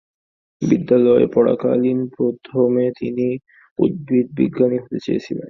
বিদ্যালয়ে পড়াকালীন প্রথমে তিনি উদ্ভিদবিজ্ঞানী হতে চেয়েছিলেন।